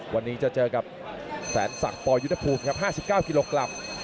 วันนี้จะเจอกับแสนศักดิ์ปยุทธภูมิครับ๕๙กิโลกรัม